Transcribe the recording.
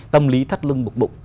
tâm lý thắt lưng bụng bụng